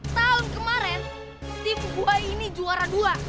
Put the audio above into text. tahun kemarin tim gua ini juara dua